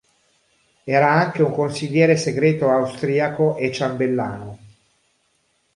Era anche un consigliere segreto austriaco e ciambellano.